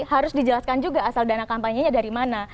harus dijelaskan juga asal dana kampanye nya dari mana